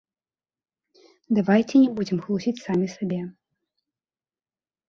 Давайце не будзем хлусіць самі сабе.